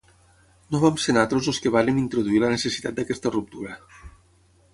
No vam ser nosaltres els que vàrem introduir la necessitat d’aquesta ruptura.